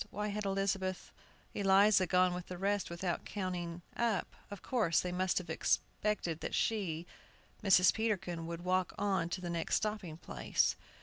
Why had Elizabeth Eliza gone with the rest without counting up? Of course, they must have expected that she Mrs. Peterkin would walk on to the next stopping place!"